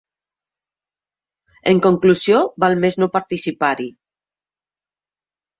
En conclusió, val més no participar-hi.